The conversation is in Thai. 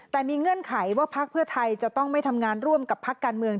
แต่มีเงื่อนไขว่าพักเพื่อไทยจะต้องไม่ทำงานร่วมกับพักการเมือง